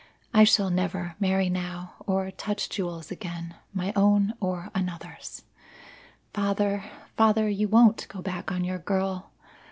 I shall never marry now or touch jewels again my own or another's. Father, father, you won't go back on your girl!